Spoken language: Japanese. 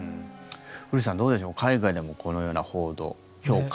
古市さん、どうでしょう海外でもこのような報道、評価。